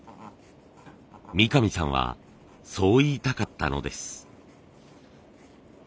三上さんはそう言いたかったのです。